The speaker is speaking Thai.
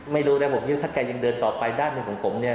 ไม่รู้แล้วผมคิดว่าถ้าแกยังเดินต่อไปด้านในของผมเนี่ย